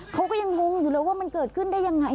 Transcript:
เขาก็ยังงงอยู่เลยว่ามันเกิดขึ้นได้ยังไง